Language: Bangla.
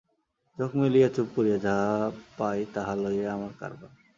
চোখ মেলিয়া চুপ করিয়া যাহা পাই তাহা লইয়াই আমার কারবার।